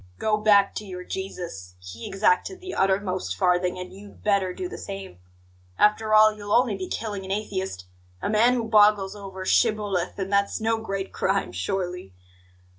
Go back to your Jesus; he exacted the uttermost farthing, and you'd better do the same. After all, you'll only be killing an atheist a man who boggles over 'shibboleth'; and that's no great crime, surely!"